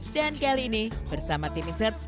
dan kali ini bersama tim insert